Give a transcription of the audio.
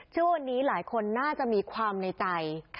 ชื่อวันนี้หลายคนน่าจะมีความในใจ